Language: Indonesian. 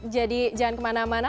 jadi jangan kemana mana